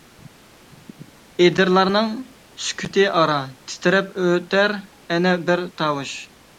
ئېدىرلارنىڭ سۈكۈتى ئارا، تىترەپ ئۆتەر ئەنە بىر تاۋۇش.